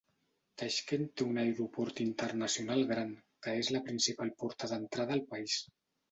Taixkent té un aeroport internacional gran, que és la principal porta d'entrada al país.